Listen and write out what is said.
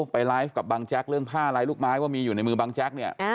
ไปไลฟ์กับบางแจ๊กเรื่องผ้าลายลูกไม้ว่ามีอยู่ในมือบังแจ๊กเนี่ย